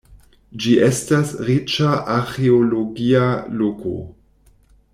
Ĝi estas riĉa arĥeologia loko.